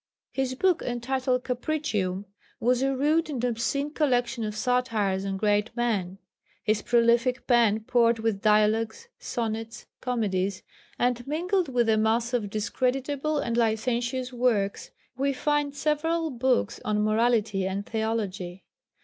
His book entitled Capricium was a rude and obscene collection of satires on great men. His prolific pen poured forth Dialogues, Sonnets, Comedies, and mingled with a mass of discreditable and licentious works we find several books on morality and theology.